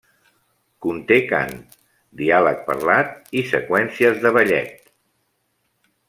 Conté cant, diàleg parlat i seqüències de ballet.